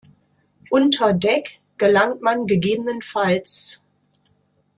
Unter Deck gelangt man ggf.